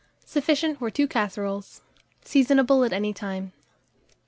Sufficient for 2 casseroles. Seasonable at any time.